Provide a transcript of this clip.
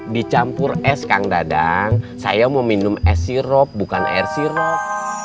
dicampur es kang dadang saya mau minum es sirop bukan air sirop